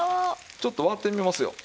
ちょっと割ってみますよ。